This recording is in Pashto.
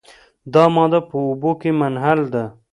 دا ماده په اوبو کې منحل ده.